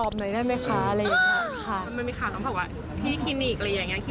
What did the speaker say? มันไม่มีความต้องแบบว่าที่คลินิกอะไรอย่างนี้